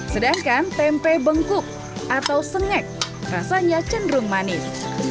sedangkan tempe bengkuk atau sengek rasanya cenderung manis